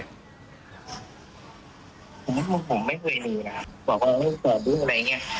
ผมไม่เคยหนีนะบอกว่าไม่รู้จักหรืออะไรอย่างนี้